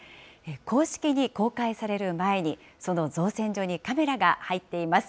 公式に公開される前に、その造船所にカメラが入っています。